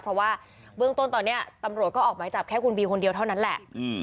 เพราะว่าเบื้องต้นตอนนี้ตำรวจก็ออกหมายจับแค่คุณบีคนเดียวเท่านั้นแหละ